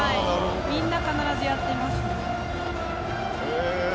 みんな必ずやってますね。